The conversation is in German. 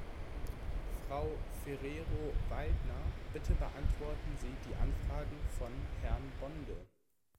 Frau Ferrero-Waldner, bitte beantworten Sie die Anfrage von Herrn Bonde.